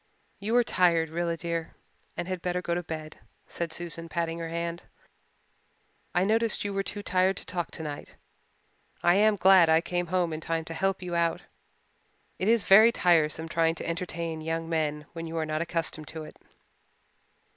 "You are tired, Rilla dear, and had better go to bed," Susan said, patting her hand. "I noticed you were too tired to talk tonight. I am glad I came home in time to help you out. It is very tiresome trying to entertain young men when you are not accustomed to it."